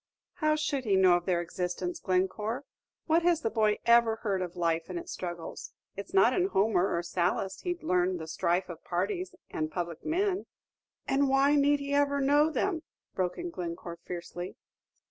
"How should he know of their existence, Glencore? What has the boy ever heard of life and its struggles? It's not in Homer or Sallust he 'd learn the strife of parties and public men." "And why need he ever know them?" broke in Glencore, fiercely.